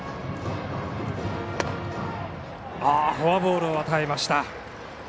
フォアボールを与えました。